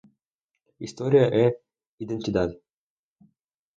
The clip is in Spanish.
Historia e identidad.